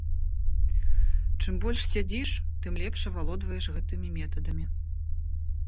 Чым больш сядзіш, тым лепш авалодваеш гэтымі метадамі.